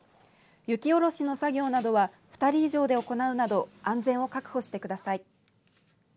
雪下ろしの作業などは２人以上で行うなど安全を確保してください。